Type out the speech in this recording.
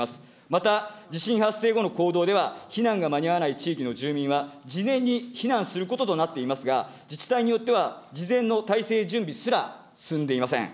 また、地震発生後の行動では、避難が間に合わない地域の住民は、事前に避難することとなっていますが、自治体によっては、事前の体制準備すら進んでいません。